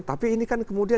tapi ini kan kemudian